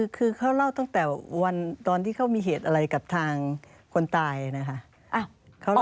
คือเขาเล่าตั้งแต่ตอนที่เขามีเหตุอะไรกับทางคนตายนะคะ